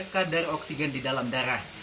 kadar oksigen di dalam darah